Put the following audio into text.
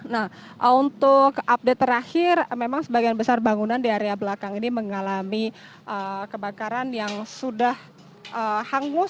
nah untuk update terakhir memang sebagian besar bangunan di area belakang ini mengalami kebakaran yang sudah hangus